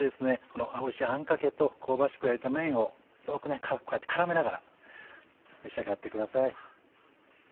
このおいしいあんかけと香ばしく焼いためんをよくこうやって絡めながら召し上がってください。